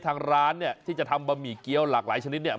ทางร้านเนี่ยที่จะทำบะหมี่เกี้ยวหลากหลายชนิดเนี่ย